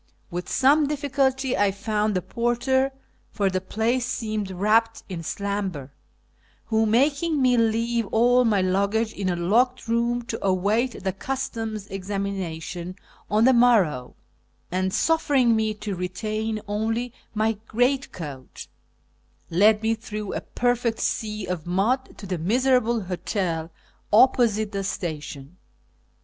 With some difficidty I found a porter (for the place seemed wrapped in slumber), who, making me leave all my luggage in a locked room to await the Customs' examination on the morrow, and suffering me to retain only my greatcoat, led me through a perfect sea of mud to the miserable hotel opposite the station.